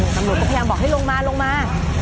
ตำรวจก็พยายามบอกให้ลงมาลงมา